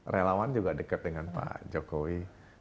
relawan juga dekat dengan pak jokowi